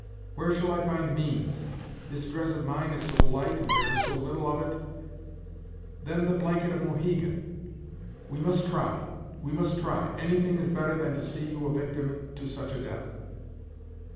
Where shall I find means? This dress of mine is so light, and there is so little of it then the blanket of Mohegan; we must try we must try anything is better than to see you a victim to such a death!"